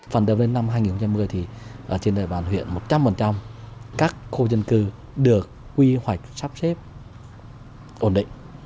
phần đầu đến năm hai nghìn một mươi thì trên đời bản huyện một trăm linh các khu dân cư được quy hoạch sắp xếp ổn định